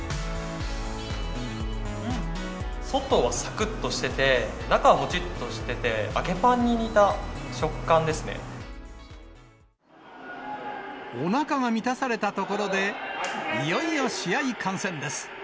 外はさくっとしてて、中はもちっとしてて、おなかが満たされたところで、いよいよ試合観戦です。